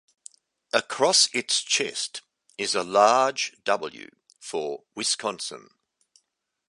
Across its chest is a large W, for Wisconsin.